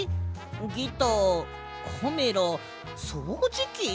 ギターカメラそうじき？